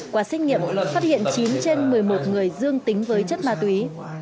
qua xét nghiệm phát hiện chín trên một mươi một người dương tính với chất ma túy